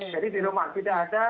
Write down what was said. jadi di rumah tidak ada